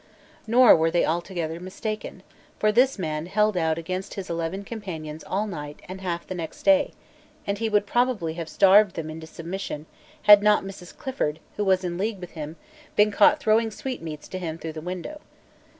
Nor were they altogether mistaken; for this man held out against his eleven companions all night and half the next day; and he would probably have starved them into submission had not Mrs. Clifford, who was in league with him, been caught throwing sweetmeats to him through the window.